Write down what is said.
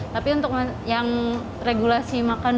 tapi untuk yang regulasi makan